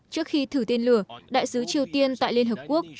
trước khi thử tên lửa đại sứ triều tiên tại liên hợp quốc